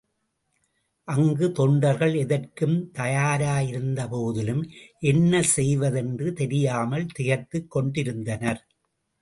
அங்கு தொண்டர்கள் எதற்கும் தயாரயிருந்தபோதிலும் என்ன செய்வதென்று தெரியாமல் திகைத்துக் கொண்டிருந்தனர்.